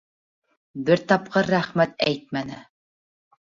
Бер тапҡыр рәхмәт әйтмәне...